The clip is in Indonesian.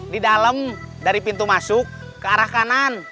di dalam dari pintu masuk ke arah kanan